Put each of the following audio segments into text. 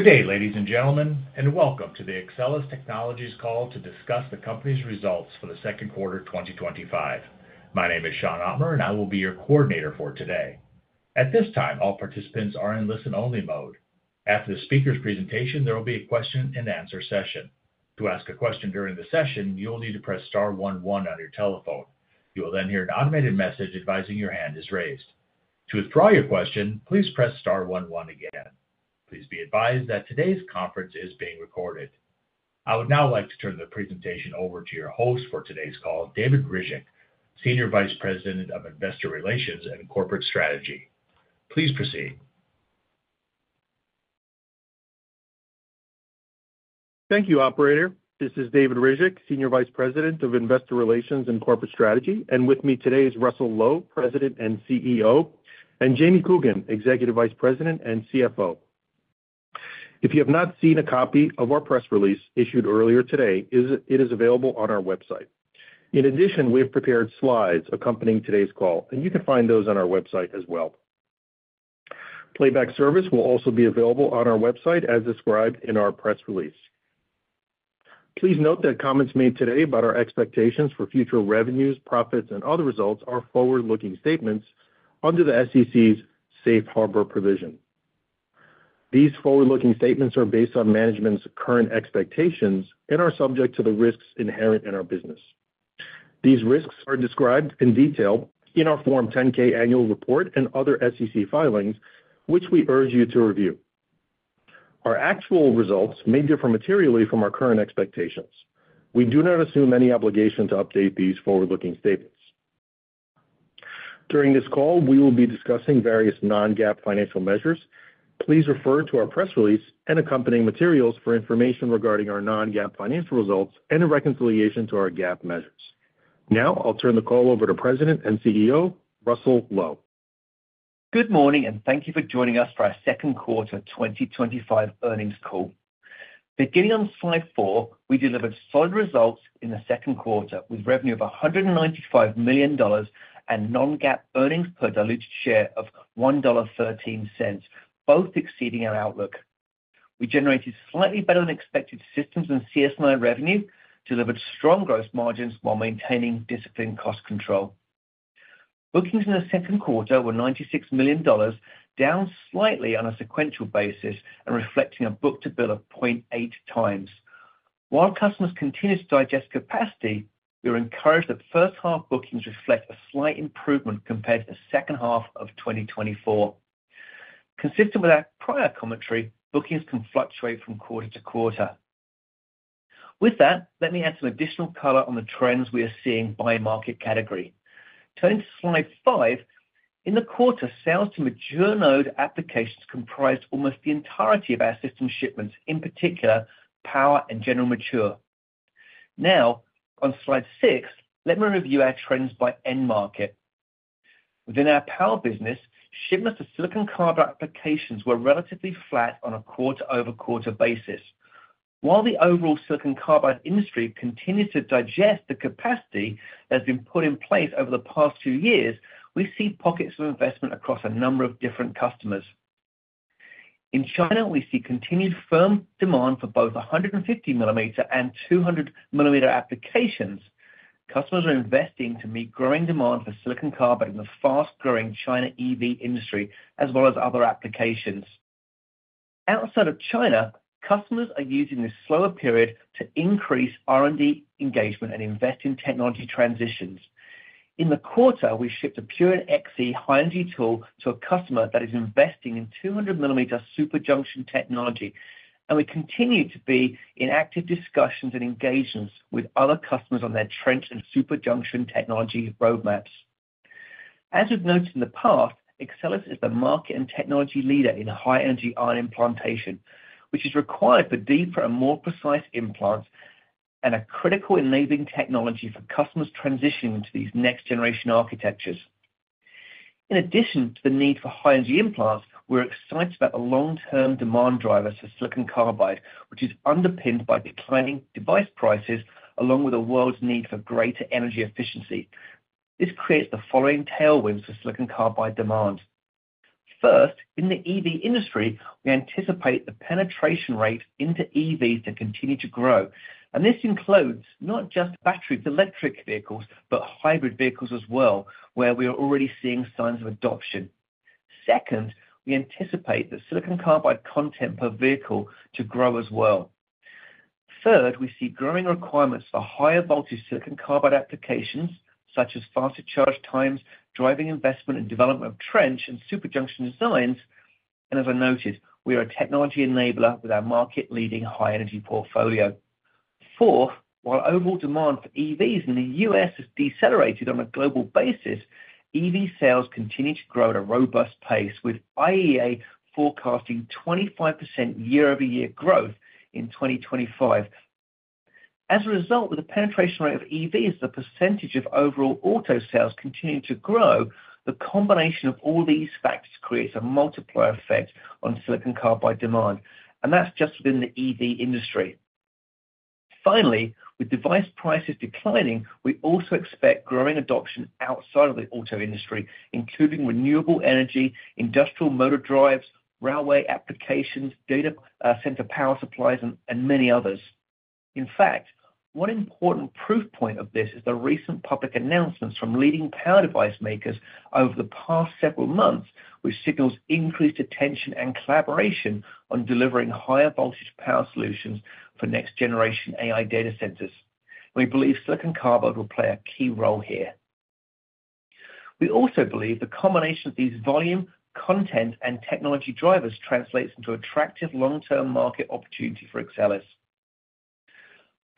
Good day, ladies and gentlemen, and welcome to the Axcelis Technologies Call to Discuss the Company's Results for the Second Quarter of 2025. My name is [Sean Ottmer], and I will be your coordinator for today. At this time, all participants are in listen-only mode. After the speaker's presentation, there will be a question-and-answer session. To ask a question during the session, you will need to press star one one on your telephone. You will then hear an automated message advising your hand is raised. To withdraw your question, please press star one one again. Please be advised that today's conference is being recorded. I would now like to turn the presentation over to your host for today's call, David Ryzhik, Senior Vice President of Investor Relations and Corporate Strategy. Please proceed. Thank you, operator. This is David Ryzhik, Senior Vice President of Investor Relations and Corporate Strategy, and with me today is Russell Low, President and CEO, and James Coogan, Executive Vice President and CFO. If you have not seen a copy of our press release issued earlier today, it is available on our website. In addition, we have prepared slides accompanying today's call, and you can find those on our website as well. Playback service will also be available on our website as described in our press release. Please note that comments made today about our expectations for future revenues, profits, and other results are forward-looking statements under the SEC's Safe Harbor provision. These forward-looking statements are based on management's current expectations and are subject to the risks inherent in our business. These risks are described in detail in our Form 10-K Annual Report and other SEC filings, which we urge you to review. Our actual results may differ materially from our current expectations. We do not assume any obligation to update these forward-looking statements. During this call, we will be discussing various non-GAAP financial measures. Please refer to our press release and accompanying materials for information regarding our non-GAAP financial results and a reconciliation to our GAAP measures. Now, I'll turn the call over to President and CEO, Russell Low. Good morning, and thank you for joining us for our second quarter 2025 earnings call. Beginning on slide four, we delivered solid results in the second quarter with revenue of $195 million and non-GAAP earnings per diluted share of $1.13, both exceeding our outlook. We generated slightly better than expected systems and CSNI revenue, delivered strong gross margins while maintaining disciplined cost control. Bookings in the second quarter were $96 million, down slightly on a sequential basis and reflecting a book-to-bill of 0.8x. While customers continued to digest capacity, we were encouraged that first half bookings reflect a slight improvement compared to the second half of 2024. Consistent with our prior commentary, bookings can fluctuate from quarter to quarter. With that, let me add some additional color on the trends we are seeing by market category. Turning to slide five, in the quarter, sales to mature node applications comprised almost the entirety of our system shipments, in particular power and general mature. Now, on slide six, let me review our trends by end market. Within our power business, shipments to SiC applications were relatively flat on a quarter-over-quarter basis. While the overall SiC industry continues to digest the capacity that has been put in place over the past two years, we see pockets of investment across a number of different customers. In China, we see continued firm demand for both 150 mm and 200 mm applications. Customers are investing to meet growing demand for SiC in the fast-growing China EV industry, as well as other applications. Outside of China, customers are using this slower period to increase R&D engagement and invest in technology transitions. In the quarter, we shipped a Purion XE high-energy tool to a customer that is investing in 200 mm superjunction technology, and we continue to be in active discussions and engagements with other customers on their trench and superjunction technology roadmaps. As we've noted in the past, Axcelis is the market and technology leader in high-energy ion implantation, which is required for deeper and more precise implants and a critical enabling technology for customers transitioning to these next-generation architectures. In addition to the need for high-energy implants, we're excited about the long-term demand drivers for SiC, which is underpinned by declining device prices, along with the world's need for greater energy efficiency. This creates the following tailwinds for SiC demand. First, in the EV industry, we anticipate the penetration rate into EVs to continue to grow, and this includes not just battery electric vehicles, but hybrid vehicles as well, where we are already seeing signs of adoption. Second, we anticipate the SiC content per vehicle to grow as well. Third, we see growing requirements for higher voltage SiC applications, such as faster charge times, driving investment in development of trench and superjunction designs. As I noted, we are a technology enabler with our market-leading high-energy portfolio. Fourth, while overall demand for EVs in the U.S. has decelerated, on a global basis, EV sales continue to grow at a robust pace, with IEA forecasting 25% year-over-year growth in 2025. As a result, with the penetration rate of EVs, the percentage of overall auto sales continuing to grow, the combination of all these factors creates a multiplier effect on SiC demand, and that's just within the EV industry. Finally, with device prices declining, we also expect growing adoption outside of the auto industry, including renewable energy, industrial motor drives, railway applications, data center power supplies, and many others. In fact, one important proof point of this is the recent public announcements from leading power device makers over the past several months, which signals increased attention and collaboration on delivering higher voltage power solutions for next-generation AI data centers. We believe SiC will play a key role here. We also believe the combination of these volume, content, and technology drivers translates into attractive long-term market opportunity for Axcelis.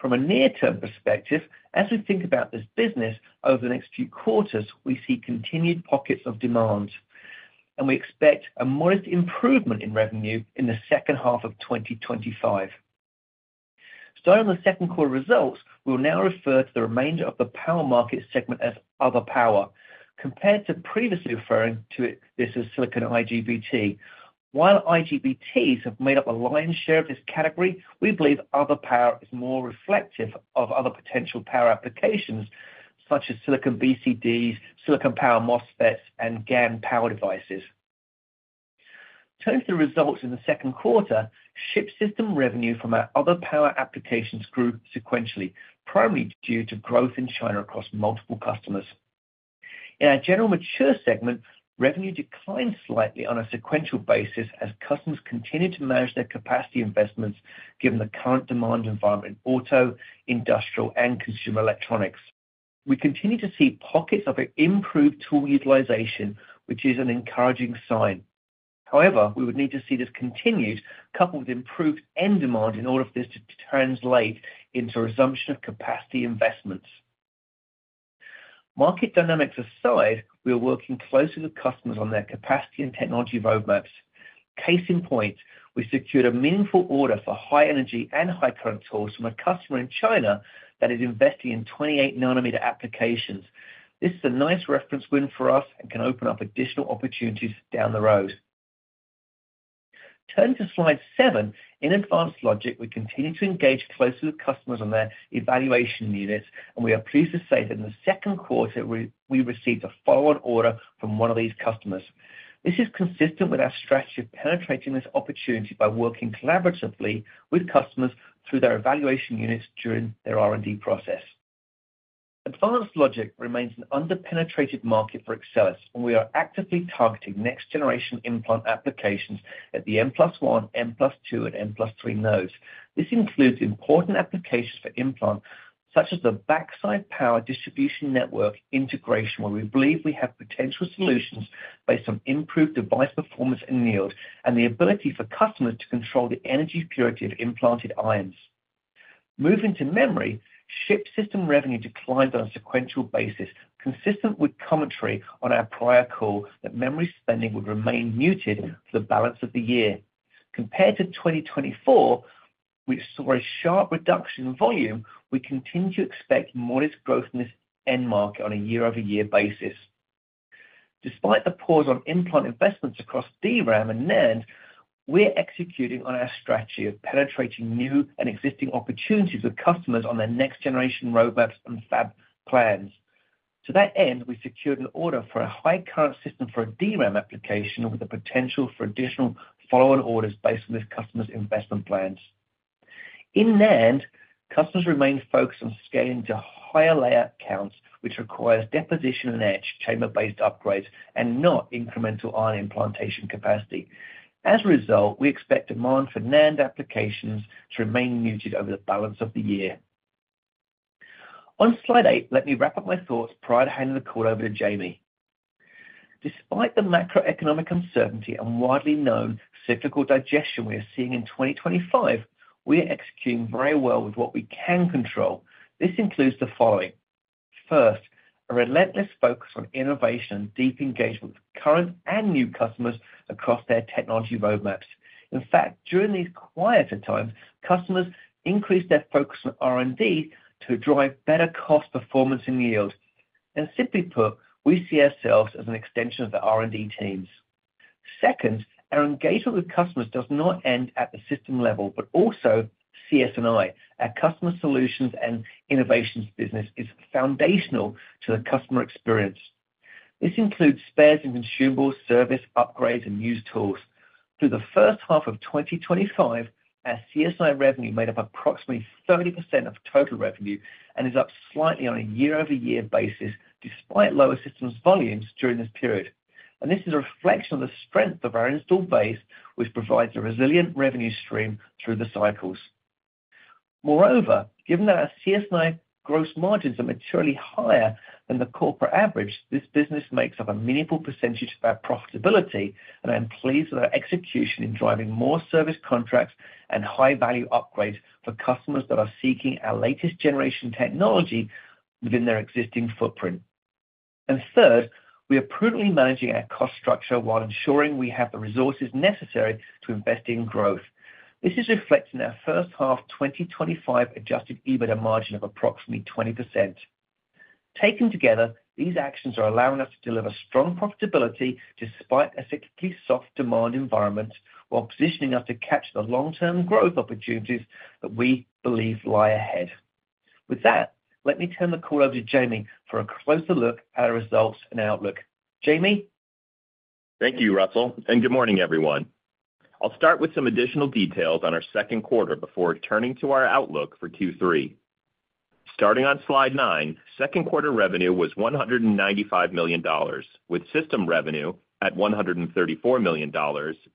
From a near-term perspective, as we think about this business over the next few quarters, we see continued pockets of demand, and we expect a modest improvement in revenue in the second half of 2025. In the second quarter results, we will now refer to the remainder of the power market segment as other power, compared to previously referring to this as Si IGBT. While IGBTs have made up the lion's share of this category, we believe other power is more reflective of other potential power applications, such as Si BCDs, Si power MOSFETs, and GaN power devices. Turning to the results in the second quarter, ship system revenue from our other power applications grew sequentially, primarily due to growth in China across multiple customers. In our general mature segment, revenue declined slightly on a sequential basis as customers continued to manage their capacity investments, given the current demand environment in auto, industrial, and consumer electronics. We continue to see pockets of improved tool utilization, which is an encouraging sign. However, we would need to see this continued, coupled with improved end demand, in order for this to translate into resumption of capacity investments. Market dynamics aside, we are working closely with customers on their capacity and technology roadmaps. Case in point, we secured a meaningful order for high-energy and high-current tools from a customer in China that is investing in 28 nm applications. This is a nice reference win for us and can open up additional opportunities down the road. Turning to slide seven, in advanced logic, we continue to engage closely with customers on their evaluation units, and we are pleased to say that in the second quarter, we received a follow-on order from one of these customers. This is consistent with our strategy of penetrating this opportunity by working collaboratively with customers through their evaluation units during their R&D process. Advanced logic remains an underpenetrated market for Axcelis, and we are actively targeting next-generation implant applications at the N+1, N+2, and N+3 nodes. This includes important applications for implants, such as the backside power distribution network integration, where we believe we have potential solutions based on improved device performance and yield and the ability for customers to control the energy purity of implanted ions. Moving to memory, ship system revenue declined on a sequential basis, consistent with commentary on our prior call that memory spending would remain muted for the balance of the year. Compared to 2024, which saw a sharp reduction in volume, we continue to expect modest growth in this end market on a year-over-year basis. Despite the pause on implant investments across DRAM and NAND, we're executing on our strategy of penetrating new and existing opportunities with customers on their next-generation roadmaps and fab plans. To that end, we secured an order for a high-current system for a DRAM application with the potential for additional follow-on orders based on this customer's investment plans. In NAND, customers remain focused on scaling to higher layout counts, which requires deposition and etch chamber-based upgrades and not incremental ion implantation capacity. As a result, we expect demand for NAND applications to remain muted over the balance of the year. On slide eight, let me wrap up my thoughts prior to handing the call over to Jamie. Despite the macroeconomic uncertainty and widely known cyclical digestion we are seeing in 2025, we are executing very well with what we can control. This includes the following. First, a relentless focus on innovation and deep engagement with current and new customers across their technology roadmaps. In fact, during these quieter times, customers increase their focus on R&D to drive better cost performance and yield. We see ourselves as an extension of the R&D teams. Second, our engagement with customers does not end at the system level, but also CSNI, our Customer Solutions and Innovations business, is foundational to the customer experience. This includes spares and consumables, service upgrades, and used tools. Through the first half of 2025, our CSNI revenue made up approximately 30% of total revenue and is up slightly on a year-over-year basis despite lower systems volumes during this period. This is a reflection of the strength of our installed base, which provides a resilient revenue stream through the cycles. Moreover, given that our CSNI gross margins are materially higher than the corporate average, this business makes up a meaningful percentage of our profitability, and I am pleased with our execution in driving more service contracts and high-value upgrades for customers that are seeking our latest generation technology within their existing footprint. Third, we are prudently managing our cost structure while ensuring we have the resources necessary to invest in growth. This is reflected in our first half 2025 adjusted EBITDA margin of approximately 20%. Taken together, these actions are allowing us to deliver strong profitability despite a cyclically soft demand environment, while positioning us to capture the long-term growth opportunities that we believe lie ahead. With that, let me turn the call over to Jamie for a closer look at our results and outlook. Jamie? Thank you, Russell, and good morning, everyone. I'll start with some additional details on our second quarter before turning to our outlook for Q3. Starting on slide nine, second quarter revenue was $195 million, with system revenue at $134 million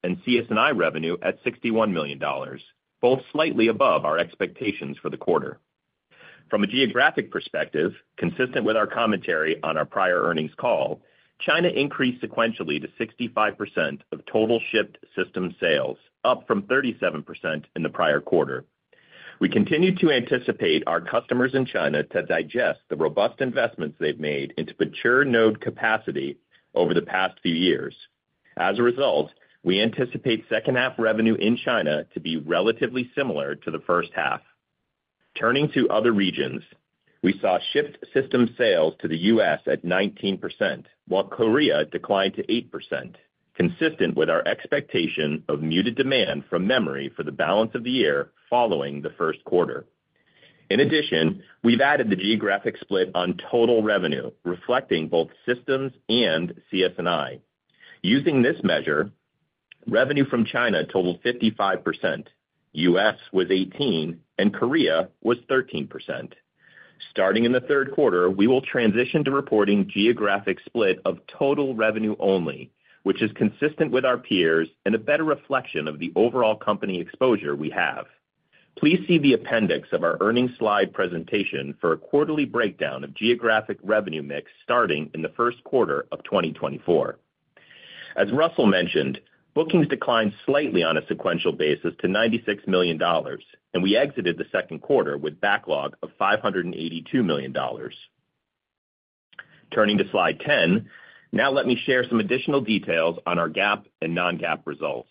and CSNI revenue at $61 million, both slightly above our expectations for the quarter. From a geographic perspective, consistent with our commentary on our prior earnings call, China increased sequentially to 65% of total shipped system sales, up from 37% in the prior quarter. We continue to anticipate our customers in China to digest the robust investments they've made into mature node capacity over the past few years. As a result, we anticipate second half revenue in China to be relatively similar to the first half. Turning to other regions, we saw shipped system sales to the U.S. at 19%, while Korea declined to 8%, consistent with our expectation of muted demand from memory for the balance of the year following the first quarter. In addition, we've added the geographic split on total revenue, reflecting both systems and CSNI. Using this measure, revenue from China totaled 55%, U.S. was 18%, and Korea was 13%. Starting in the third quarter, we will transition to reporting geographic split of total revenue only, which is consistent with our peers and a better reflection of the overall company exposure we have. Please see the appendix of our earnings slide presentation for a quarterly breakdown of geographic revenue mix starting in the first quarter of 2024. As Russell mentioned, bookings declined slightly on a sequential basis to $96 million, and we exited the second quarter with a backlog of $582 million. Turning to slide 10, now let me share some additional details on our GAAP and non-GAAP results.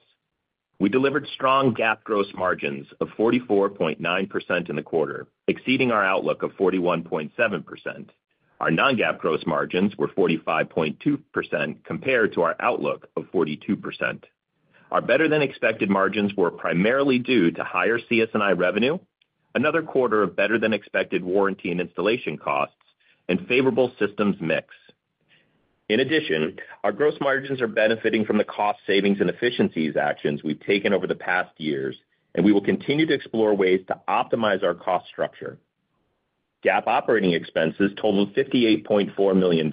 We delivered strong GAAP gross margins of 44.9% in the quarter, exceeding our outlook of 41.7%. Our non-GAAP gross margins were 45.2% compared to our outlook of 42%. Our better-than-expected margins were primarily due to higher CSNI revenue, another quarter of better-than-expected warranty and installation costs, and favorable systems mix. In addition, our gross margins are benefiting from the cost savings and efficiencies actions we've taken over the past years, and we will continue to explore ways to optimize our cost structure. GAAP operating expenses totaled $58.4 million,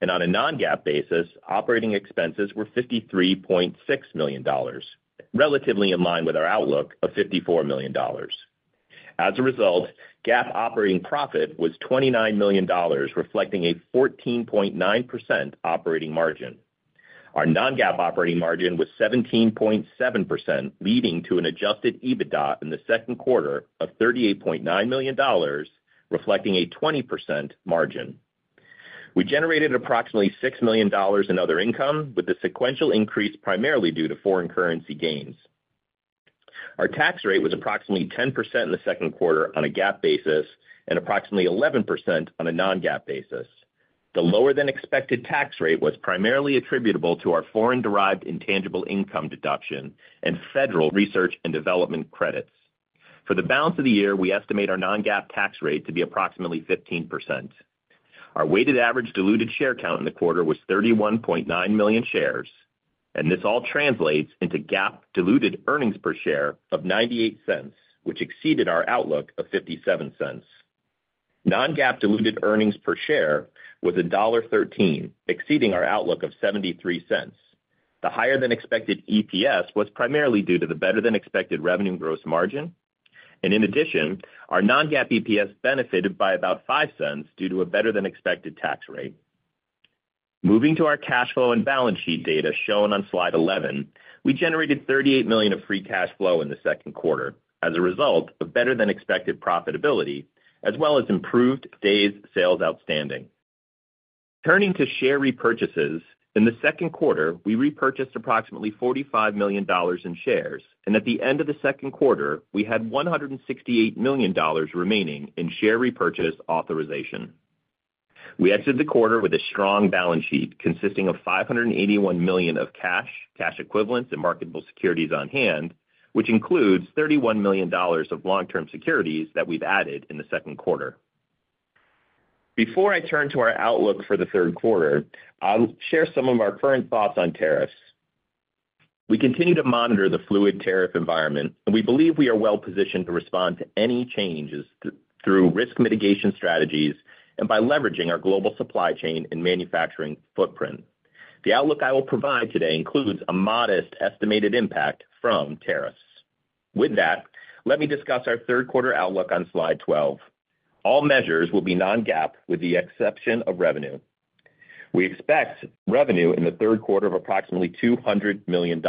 and on a non-GAAP basis, operating expenses were $53.6 million, relatively in line with our outlook of $54 million. As a result, GAAP operating profit was $29 million, reflecting a 14.9% operating margin. Our non-GAAP operating margin was 17.7%, leading to an adjusted EBITDA in the second quarter of $38.9 million, reflecting a 20% margin. We generated approximately $6 million in other income, with the sequential increase primarily due to foreign currency gains. Our tax rate was approximately 10% in the second quarter on a GAAP basis and approximately 11% on a non-GAAP basis. The lower-than-expected tax rate was primarily attributable to our foreign derived intangible income deduction and federal research and development credits. For the balance of the year, we estimate our non-GAAP tax rate to be approximately 15%. Our weighted average diluted share count in the quarter was 31.9 million shares, and this all translates into GAAP diluted earnings per share of $0.98, which exceeded our outlook of $0.57. Non-GAAP diluted earnings per share was $1.13, exceeding our outlook of $0.73. The higher-than-expected EPS was primarily due to the better-than-expected revenue and gross margin, and in addition, our non-GAAP EPS benefited by about $0.05 due to a better-than-expected tax rate. Moving to our cash flow and balance sheet data shown on slide 11, we generated $38 million of free cash flow in the second quarter as a result of better-than-expected profitability, as well as improved days' sales outstanding. Turning to share repurchases, in the second quarter, we repurchased approximately $45 million in shares, and at the end of the second quarter, we had $168 million remaining in share repurchase authorization. We exited the quarter with a strong balance sheet consisting of $581 million of cash, cash equivalents, and marketable securities on hand, which includes $31 million of long-term securities that we've added in the second quarter. Before I turn to our outlook for the third quarter, I'll share some of our current thoughts on tariffs. We continue to monitor the fluid tariff environment, and we believe we are well positioned to respond to any changes through risk mitigation strategies and by leveraging our global supply chain and manufacturing footprint. The outlook I will provide today includes a modest estimated impact from tariffs. With that, let me discuss our third quarter outlook on slide 12. All measures will be non-GAAP with the exception of revenue. We expect revenue in the third quarter of approximately $200 million.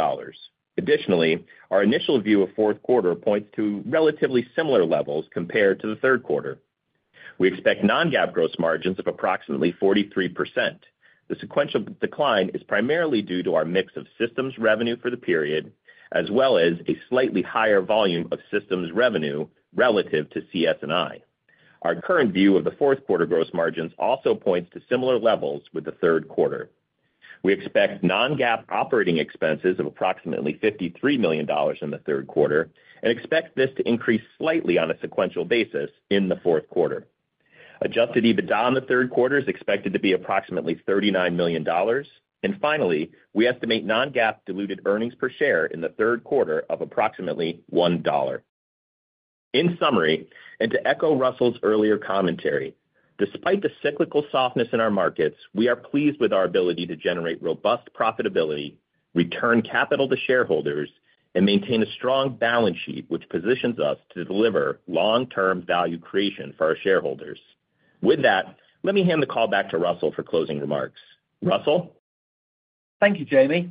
Additionally, our initial view of the fourth quarter points to relatively similar levels compared to the third quarter. We expect non-GAAP gross margins of approximately 43%. The sequential decline is primarily due to our mix of systems revenue for the period, as well as a slightly higher volume of systems revenue relative to CSNI. Our current view of the fourth quarter gross margins also points to similar levels with the third quarter. We expect non-GAAP operating expenses of approximately $53 million in the third quarter and expect this to increase slightly on a sequential basis in the fourth quarter. Adjusted EBITDA in the third quarter is expected to be approximately $39 million, and finally, we estimate non-GAAP diluted earnings per share in the third quarter of approximately $1. In summary, and to echo Russell's earlier commentary, despite the cyclical softness in our markets, we are pleased with our ability to generate robust profitability, return capital to shareholders, and maintain a strong balance sheet, which positions us to deliver long-term value creation for our shareholders. With that, let me hand the call back to Russell for closing remarks. Russell? Thank you, Jamie.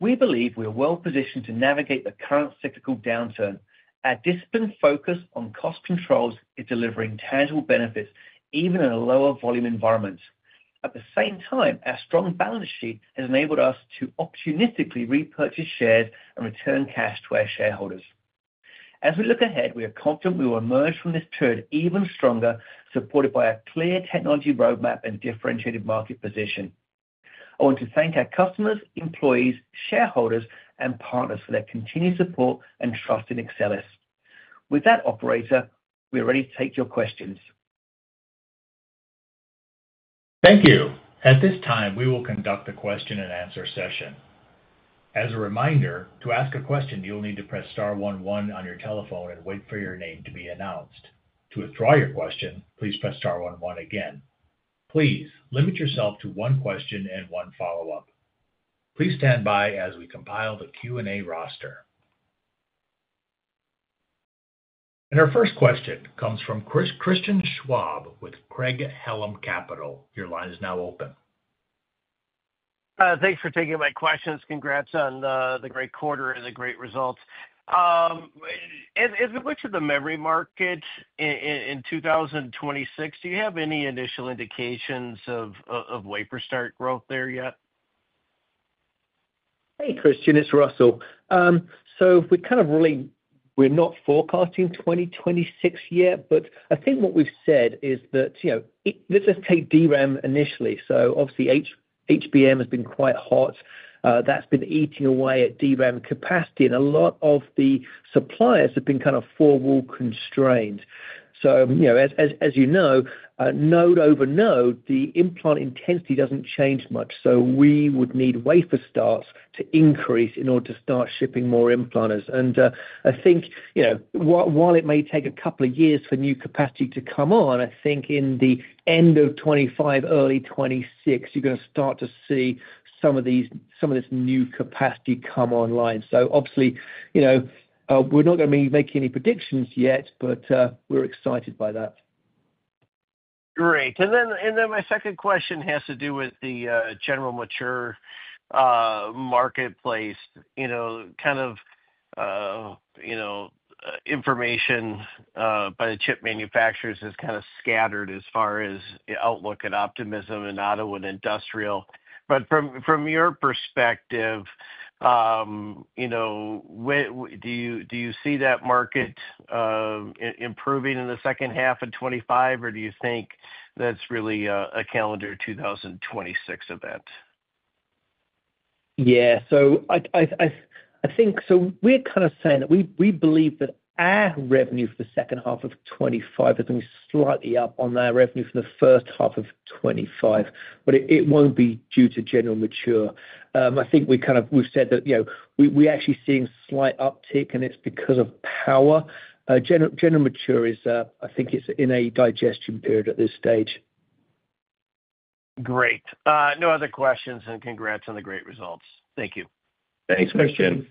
We believe we are well-positioned to navigate the current cyclical downturn. Our disciplined focus on cost controls is delivering tangible benefits, even in a lower volume environment. At the same time, our strong balance sheet has enabled us to opportunistically repurchase shares and return cash to our shareholders. As we look ahead, we are confident we will emerge from this period even stronger, supported by a clear technology roadmap and differentiated market position. I want to thank our customers, employees, shareholders, and partners for their continued support and trust in Axcelis. With that, operator, we are ready to take your questions. Thank you. At this time, we will conduct a question-and-answer session. As a reminder, to ask a question, you'll need to press star one one on your telephone and wait for your name to be announced. To withdraw your question, please press star one one again. Please limit yourself to one question and one follow-up. Please stand by as we compile the Q&A roster. Our first question comes from Christian Schwab with Craig-Hallum Capital. Your line is now open. Thanks for taking my questions. Congrats on the great quarter and the great results. As we look to the memory market in 2026, do you have any initial indications of a way for start growth there yet? Hey, Christian, it's Russell. We're not forecasting 2026 yet, but I think what we've said is that, you know, let's take DRAM initially. Obviously, HBM has been quite hot. That's been eating away at DRAM capacity, and a lot of the suppliers have been kind of four-wall constrained. As you know, node over node, the implant intensity doesn't change much. We would need wafer starts to increase in order to start shipping more implants. I think, while it may take a couple of years for new capacity to come on, in the end of 2025, early 2026, you're going to start to see some of this new capacity come online. Obviously, we're not going to be making any predictions yet, but we're excited by that. Great. My second question has to do with the general mature marketplace. Information by the chip manufacturers is kind of scattered as far as outlook and optimism in auto and industrial. From your perspective, do you see that market improving in the second half of 2025, or do you think that's really a calendar 2026 event? I think we're kind of saying that we believe that our revenue for the second half of 2025 is going to be slightly up on that revenue for the first half of 2025, but it won't be due to General Mature. I think we've said that we're actually seeing a slight uptick, and it's because of power. General Mature is, I think, in a digestion period at this stage. Great. No other questions, and congrats on the great results. Thank you. Thanks, Christian.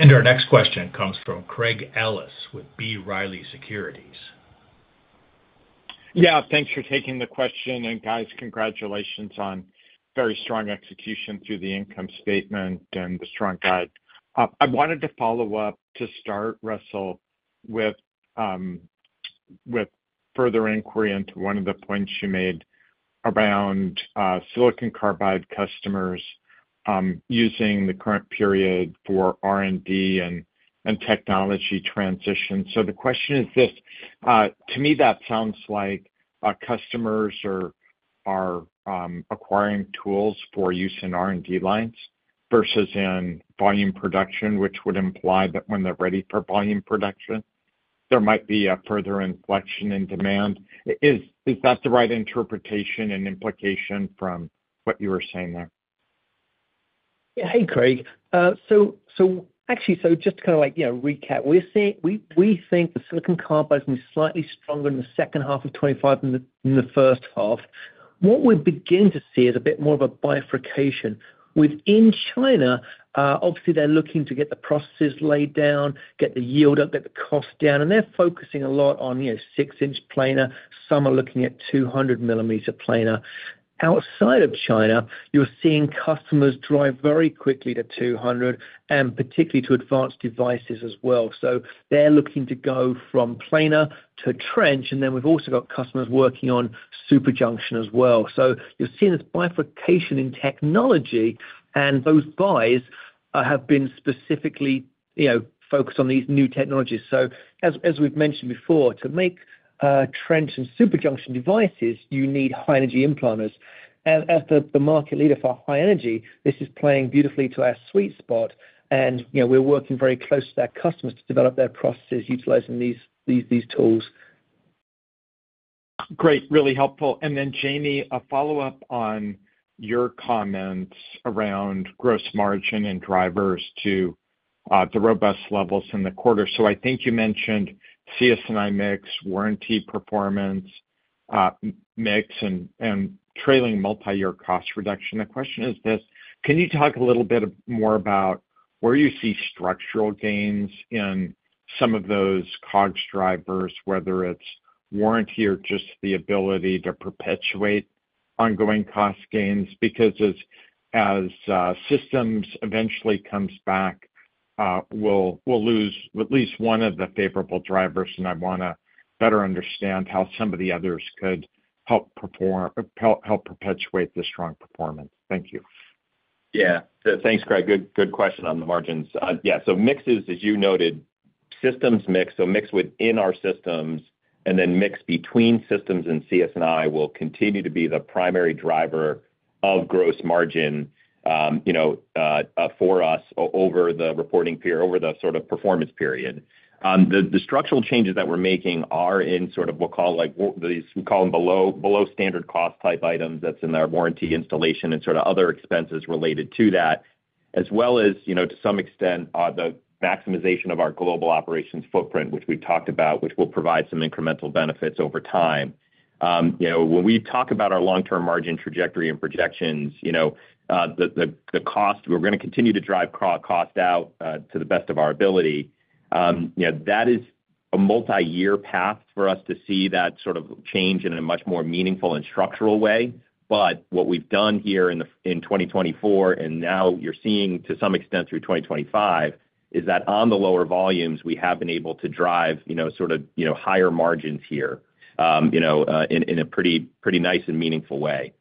Our next question comes from Craig Ellis with B. Riley Securities. Yeah, thanks for taking the question, and guys, congratulations on very strong execution through the income statement and the strong guide. I wanted to follow up to start, Russell, with further inquiry into one of the points you made around SiC customers using the current period for R&D and technology transition. The question is this: to me, that sounds like customers are acquiring tools for use in R&D lines versus in volume production, which would imply that when they're ready for volume production, there might be a further inflection in demand. Is that the right interpretation and implication from what you were saying there? Yeah, hey Craig. Just to kind of recap, we think the SiC is going to be slightly stronger in the second half of 2025 than the first half. What we're beginning to see is a bit more of a bifurcation. Within China, obviously, they're looking to get the processes laid down, get the yield up, get the cost down, and they're focusing a lot on 6 in planar. Some are looking at 200 mm planar. Outside of China, you're seeing customers drive very quickly to 200 and particularly to advanced devices as well. They're looking to go from planar to trench, and we've also got customers working on superjunction as well. You're seeing this bifurcation in technology, and those buys have been specifically focused on these new technologies. As we've mentioned before, to make trench and superjunction devices, you need high-energy implants. As the market leader for high-energy, this is playing beautifully to our sweet spot, and we're working very closely with our customers to develop their processes utilizing these tools. Great, really helpful. Jamie, a follow-up on your comments around gross margin and drivers to the robust levels in the quarter. I think you mentioned CSNI mix, warranty performance mix, and trailing multi-year cost reduction. The question is this: can you talk a little bit more about where you see structural gains in some of those COGS drivers, whether it's warranty or just the ability to perpetuate ongoing cost gains? As systems eventually come back, we'll lose at least one of the favorable drivers, and I want to better understand how some of the others could help perpetuate the strong performance. Thank you. Yeah, thanks, Craig. Good question on the margins. Yeah, so mixes, as you noted, systems mix, so mix within our systems, and then mix between systems and CSNI will continue to be the primary driver of gross margin for us over the reporting period, over the sort of performance period. The structural changes that we're making are in sort of, we'll call like, we call them below standard cost type items that's in our warranty installation and other expenses related to that, as well as, to some extent, the maximization of our global operations footprint, which we've talked about, which will provide some incremental benefits over time. When we talk about our long-term margin trajectory and projections, the cost, we're going to continue to drive cost out to the best of our ability. That is a multi-year path for us to see that sort of change in a much more meaningful and structural way. What we've done here in 2024, and now you're seeing to some extent through 2025, is that on the lower volumes, we have been able to drive higher margins here in a pretty nice and meaningful way.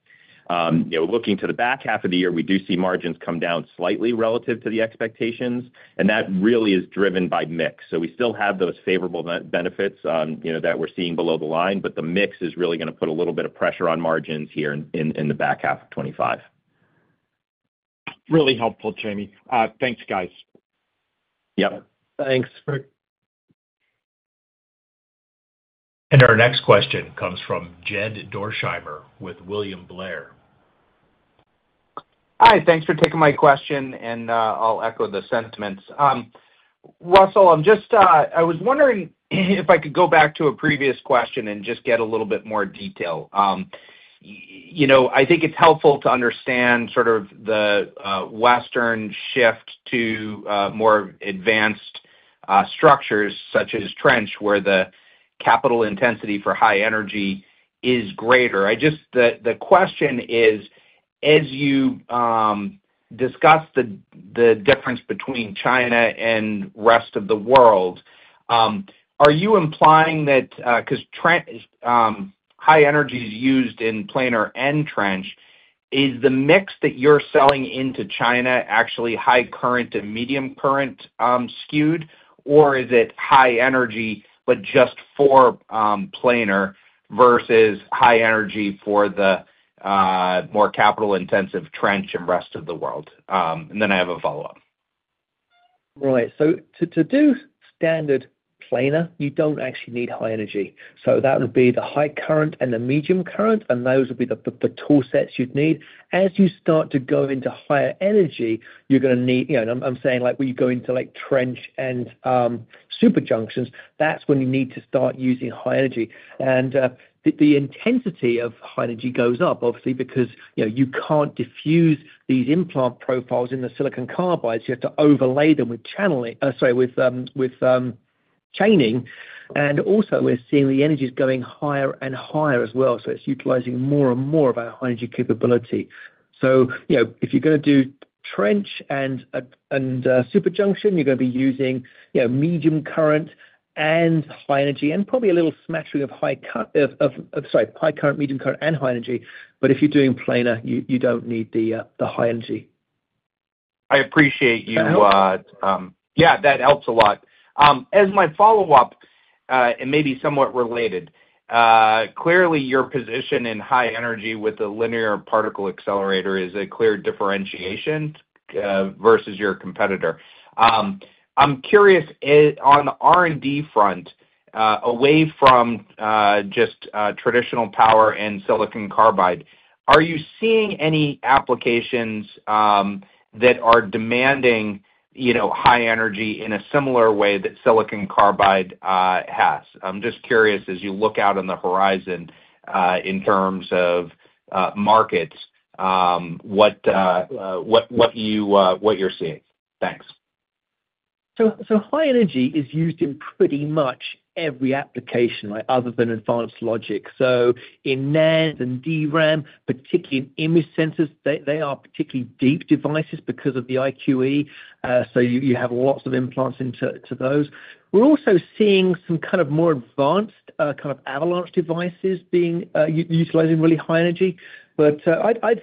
Looking to the back half of the year, we do see margins come down slightly relative to the expectations, and that really is driven by mix. We still have those favorable benefits that we're seeing below the line, but the mix is really going to put a little bit of pressure on margins here in the back half of 2025. Really helpful, James. Thanks, guys. Yep. Thanks, Craig. Our next question comes from Jed Dorsheimer with William Blair. Hi, thanks for taking my question, and I'll echo the sentiments. Russell, I was wondering if I could go back to a previous question and get a little bit more detail. I think it's helpful to understand the Western shift to more advanced structures such as trench, where the capital intensity for high-energy is greater. The question is, as you discuss the difference between China and the rest of the world, are you implying that, because high-energy is used in planar and trench, is the mix that you're selling into China actually high current and medium current skewed, or is it high-energy, but just for planar versus high-energy for the more capital-intensive trench and rest of the world? I have a follow-up. Right, to do standard planar, you don't actually need high-energy. That would be the high current and the medium current, and those would be the tool sets you'd need. As you start to go into higher energy, you're going to need, you know, when you go into trench and superjunction, that's when you need to start using high-energy. The intensity of high-energy goes up, obviously, because you can't diffuse these implant profiles in the SiC. You have to overlay them with channeling. We're seeing the energies going higher and higher as well. It's utilizing more and more of our high-energy capability. If you're going to do trench and superjunction, you're going to be using medium current and high-energy, and probably a little smattering of high current, medium current, and high-energy. If you're doing planar, you don't need the high-energy. I appreciate you, yeah, that helps a lot. As my follow-up, and maybe somewhat related, clearly your position in high-energy with the linear particle accelerator is a clear differentiation versus your competitor. I'm curious, on the R&D front, away from just traditional power and SiC, are you seeing any applications that are demanding, you know, high-energy in a similar way that SiC has? I'm just curious, as you look out on the horizon, in terms of markets, what you're seeing. Thanks. High-energy is used in pretty much every application, right, other than advanced logic. In NAND and DRAM, particularly in image sensors, they are particularly deep devices because of the IQE. You have lots of implants into those. We're also seeing some more advanced avalanche devices utilizing really high-energy. I'd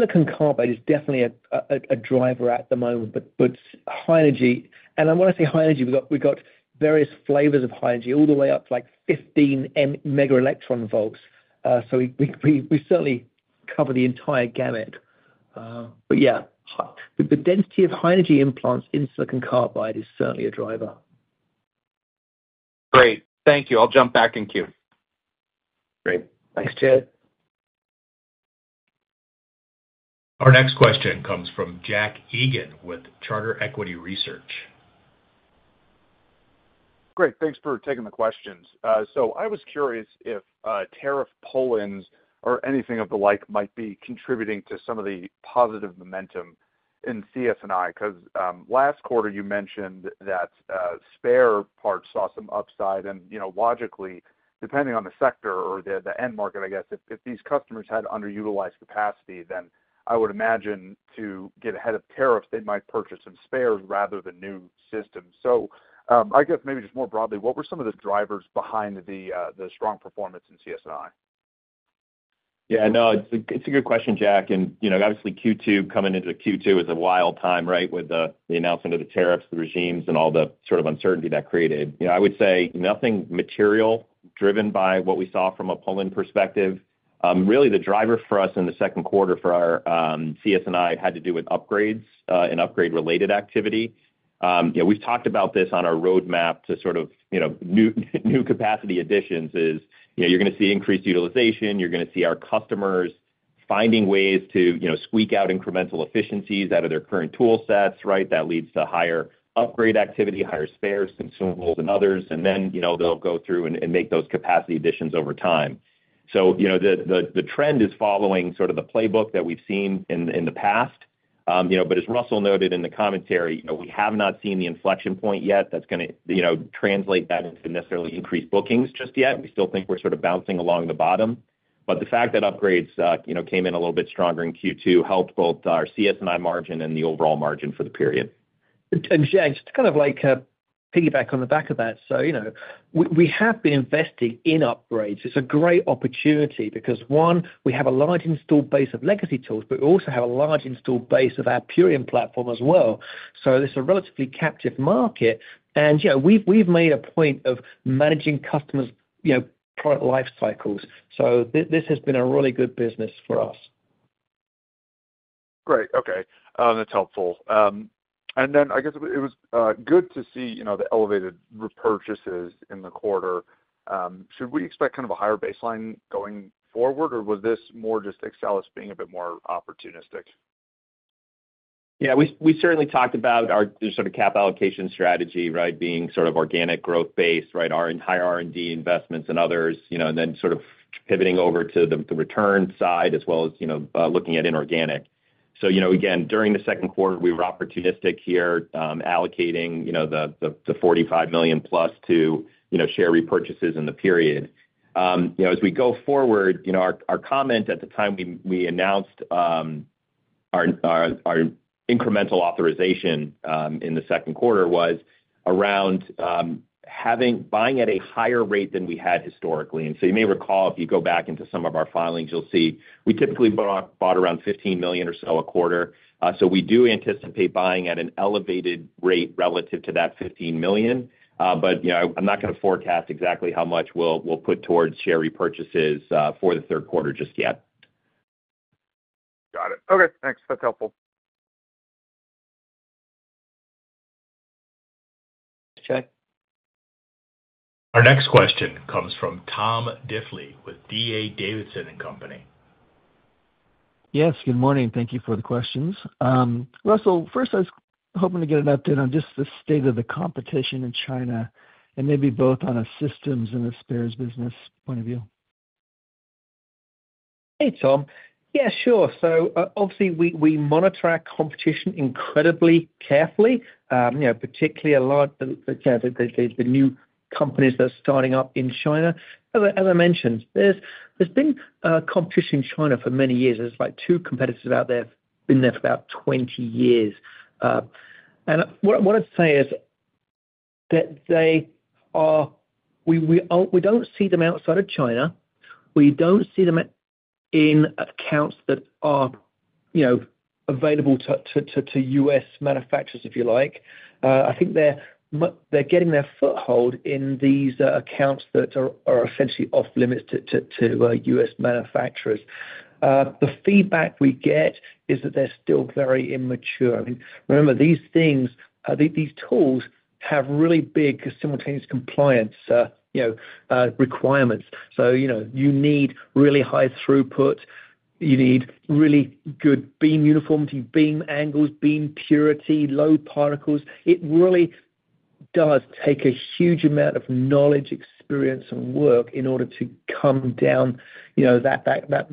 say that SiC is definitely a driver at the moment. High-energy, and when I say high-energy, we've got various flavors of high-energy all the way up to 15 mega electron volts. We certainly cover the entire gamut. The density of high-energy implants in SiC is certainly a driver. Great, thank you. I'll jump back in queue. Great, thanks, Jed. Our next question comes from Jack Egan with Charter Equity Research. Great, thanks for taking the questions. I was curious if tariff pull-ins or anything of the like might be contributing to some of the positive momentum in CSNI, because last quarter you mentioned that spare parts saw some upside. Logically, depending on the sector or the end market, I guess if these customers had underutilized capacity, then I would imagine to get ahead of tariffs, they might purchase some spares rather than new systems. I guess maybe just more broadly, what were some of the drivers behind the strong performance in CSNI? Yeah, no, it's a good question, Jack, and you know, obviously Q2 coming into the Q2 is a wild time, with the announcement of the tariffs, the regimes, and all the sort of uncertainty that created. I would say nothing material driven by what we saw from a pull-in perspective. Really, the driver for us in the second quarter for our CSNI had to do with upgrades and upgrade-related activity. We've talked about this on our roadmap to sort of new capacity additions. You're going to see increased utilization, you're going to see our customers finding ways to squeak out incremental efficiencies out of their current tool sets, right? That leads to higher upgrade activity, higher spares, consumables, and others, and then they'll go through and make those capacity additions over time. The trend is following sort of the playbook that we've seen in the past. As Russell noted in the commentary, we have not seen the inflection point yet that's going to translate that into necessarily increased bookings just yet. We still think we're sort of bouncing along the bottom, but the fact that upgrades came in a little bit stronger in Q2 helped both our CSNI margin and the overall margin for the period. Just to kind of piggyback on the back of that, we have been investing in upgrades. It's a great opportunity because, one, we have a large installed base of legacy tools, but we also have a large installed base of our Purion Platform as well. It's a relatively captive market, and we've made a point of managing customers' product life cycles. This has been a really good business for us. Great, okay, that's helpful. It was good to see, you know, the elevated repurchases in the quarter. Should we expect kind of a higher baseline going forward, or was this more just Axcelis being a bit more opportunistic? Yeah, we certainly talked about our sort of cap allocation strategy, right, being sort of organic growth-based, right, our entire R&D investments and others, and then pivoting over to the return side as well as looking at inorganic. During the second quarter, we were opportunistic here, allocating the $45+ million to share repurchases in the period. As we go forward, our comment at the time we announced our incremental authorization in the second quarter was around buying at a higher rate than we had historically. You may recall, if you go back into some of our filings, you'll see we typically bought around $15 million or so a quarter. We do anticipate buying at an elevated rate relative to that $15 million, but I'm not going to forecast exactly how much we'll put towards share repurchases for the third quarter just yet. Got it. Okay, thanks, that's helpful. Check. Our next question comes from Tom Diffely with D.A. Davidson & Co. Yes, good morning. Thank you for the questions. Russell, first, I was hoping to get an update on just the state of the competition in China, maybe both on a systems and a spares business point of view. Hey, Tom. Yeah, sure. Obviously, we monitor our competition incredibly carefully, particularly a lot, again, the new companies that are starting up in China. As I mentioned, there's been competition in China for many years. There's like two competitors out there that have been there for about 20 years. What I'd say is that they are, we don't see them outside of China. We don't see them in accounts that are, you know, available to U.S. manufacturers, if you like. I think they're getting their foothold in these accounts that are essentially off-limits to U.S. manufacturers. The feedback we get is that they're still very immature. I mean, remember, these things, these tools have really big simultaneous compliance requirements. You need really high throughput. You need really good beam uniformity, beam angles, beam purity, low particles. It really does take a huge amount of knowledge, experience, and work in order to come down that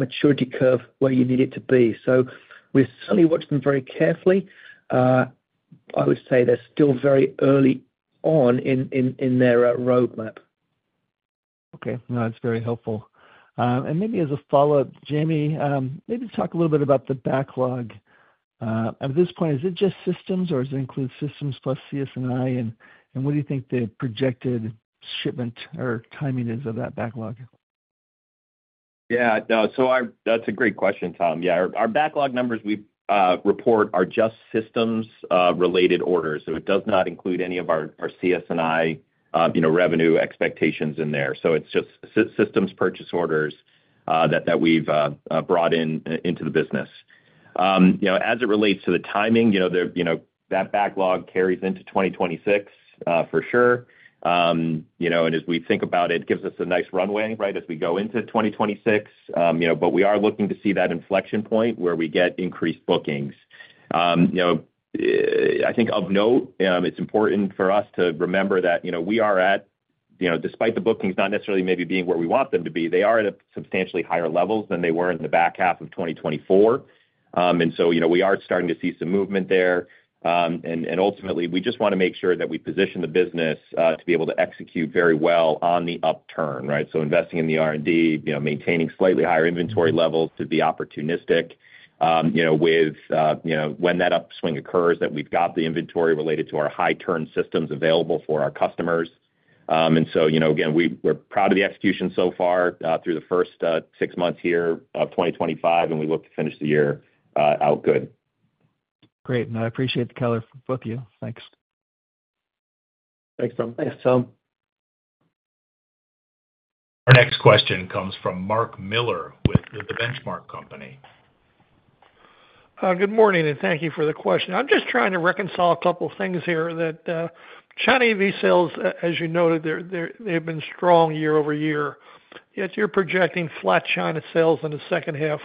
maturity curve where you need it to be. We're certainly watching them very carefully. I would say they're still very early on in their roadmap. Okay, that's very helpful. Maybe as a follow-up, Jamie, maybe talk a little bit about the backlog. At this point, is it just systems, or does it include systems plus CSNI? What do you think the projected shipment or timing is of that backlog? Yeah, no, that's a great question, Tom. Our backlog numbers we report are just systems-related orders. It does not include any of our CSNI revenue expectations in there. It's just systems purchase orders that we've brought into the business. As it relates to the timing, that backlog carries into 2026 for sure. As we think about it, it gives us a nice runway as we go into 2026. We are looking to see that inflection point where we get increased bookings. I think of note, it's important for us to remember that, despite the bookings not necessarily maybe being where we want them to be, they are at substantially higher levels than they were in the back half of 2024. We are starting to see some movement there. Ultimately, we just want to make sure that we position the business to be able to execute very well on the upturn, right? Investing in the R&D, maintaining slightly higher inventory levels to be opportunistic when that upswing occurs, that we've got the inventory related to our high-turn systems available for our customers. Again, we're proud of the execution so far through the first six months here of 2025, and we look to finish the year out good. Great, and I appreciate the color from both of you. Thanks. Thanks, Tom. Thanks, Tom. Our next question comes from Mark Miller with The Benchmark Company. Good morning, and thank you for the question. I'm just trying to reconcile a couple of things here. China EV sales, as you noted, they've been strong year-over-year, yet you're projecting flat China sales in the second half.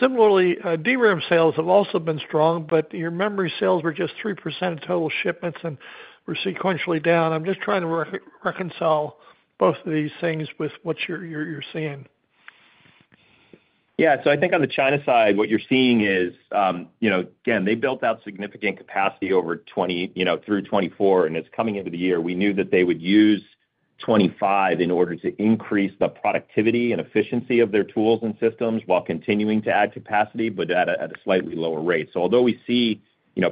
Similarly, DRAM sales have also been strong, but your memory sales were just 3% of total shipments and were sequentially down. I'm just trying to reconcile both of these things with what you're seeing. I think on the China side, what you're seeing is they built out significant capacity over 2020 through 2024, and it's coming into the year. We knew that they would use 2025 in order to increase the productivity and efficiency of their tools and systems while continuing to add capacity, but at a slightly lower rate. Although we see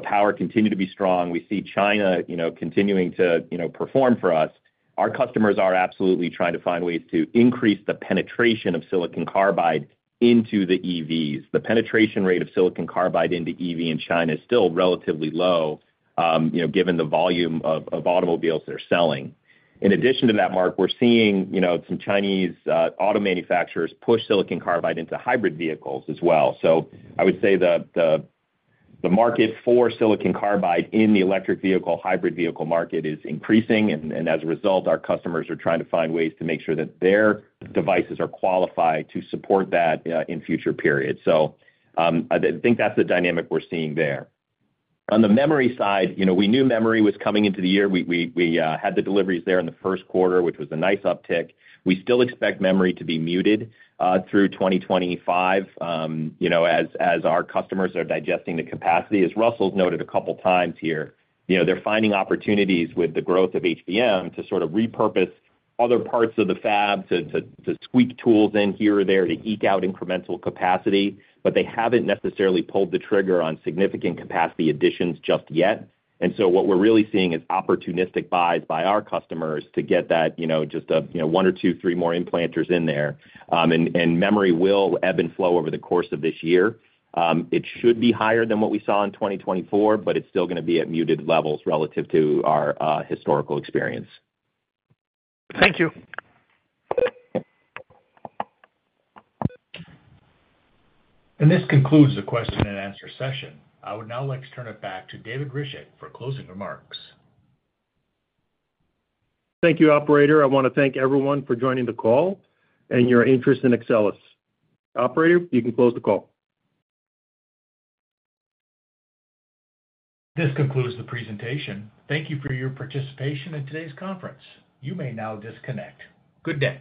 power continue to be strong, we see China continuing to perform for us. Our customers are absolutely trying to find ways to increase the penetration of SiC into the EVs. The penetration rate of SiC into EV in China is still relatively low, given the volume of automobiles they're selling. In addition to that, Mark, we're seeing some Chinese auto manufacturers push SiC into hybrid vehicles as well. I would say the market for SiC in the electric vehicle, hybrid vehicle market is increasing, and as a result, our customers are trying to find ways to make sure that their devices are qualified to support that in future periods. I think that's the dynamic we're seeing there. On the memory side, we knew memory was coming into the year. We had the deliveries there in the first quarter, which was a nice uptick. We still expect memory to be muted through 2025, as our customers are digesting the capacity. As Russell's noted a couple of times here, they're finding opportunities with the growth of HBM to sort of repurpose other parts of the fab, to squeak tools in here or there, to eke out incremental capacity, but they haven't necessarily pulled the trigger on significant capacity additions just yet. What we're really seeing is opportunistic buys by our customers to get that, just a, one or two, three more implanters in there. Memory will ebb and flow over the course of this year. It should be higher than what we saw in 2024, but it's still going to be at muted levels relative to our historical experience. Thank you. This concludes the question and answer session. I would now like to turn it back to David Ryzhik for closing remarks. Thank you, operator. I want to thank everyone for joining the call and your interest in Axcelis. Operator, you can close the call. This concludes the presentation. Thank you for your participation in today's conference. You may now disconnect. Good day.